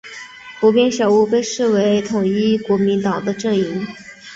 湖边小屋被视为统一国民党的阵营。